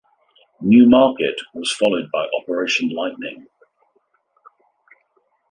New Market was followed by Operation Lightning.